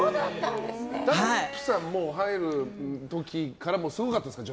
ダンプさんが入る時からすごかったんですか